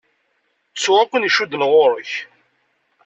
Ttuɣ akk ayen icudden ɣur-k.